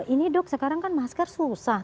ini dok sekarang kan masker susah